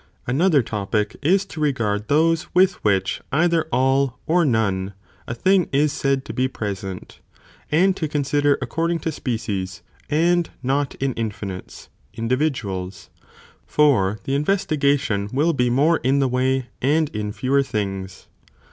air, ἃ Another (topic) is, to regard those with which, examine the @ither all or none, a thing is said to be present, das pire and to consider according to species and not in "_ Infinites, (individuals,) for the investigation (will be) more in the way and in fewer things!